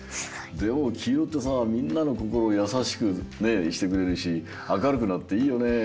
でもきいろってさみんなのこころをやさしくしてくれるしあかるくなっていいよねえ。